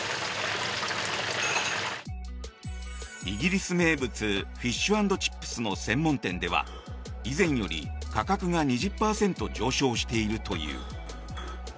イギリス名物フィッシュ＆チップスの専門店では以前より価格が２０％上昇しているという。